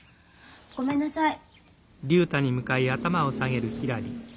ごめんなさい。